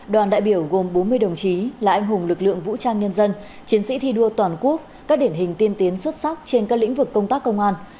đoàn đại biểu gồm bốn mươi đồng chí là anh hùng lực lượng vũ trang nhân dân chiến sĩ thi đua toàn quốc các điển hình tiên tiến xuất sắc trên các lĩnh vực công tác công an